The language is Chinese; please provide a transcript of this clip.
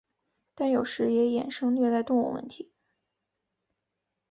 但有时也衍生虐待动物问题。